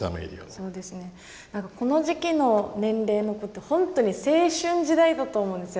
そうですねこの時期の年齢の子って本当に青春時代だと思うんですよ。